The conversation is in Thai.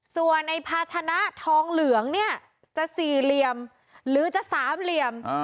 ส่วนในภาชนะทองเหลืองเนี่ยจะสี่เหลี่ยมหรือจะสามเหลี่ยม